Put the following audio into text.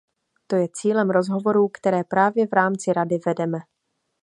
To je cílem rozhovorů, které právě v rámci Rady vedeme.